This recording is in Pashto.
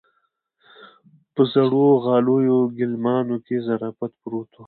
په زړو غاليو ګيلمانو کې ظرافت پروت و.